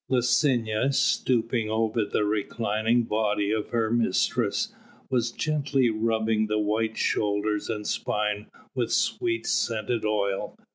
Licinia, stooping over the reclining body of her mistress, was gently rubbing the white shoulders and spine with sweet scented oil.